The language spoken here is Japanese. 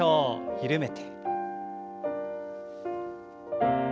緩めて。